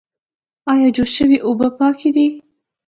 ایا جوش شوې اوبه پاکې دي؟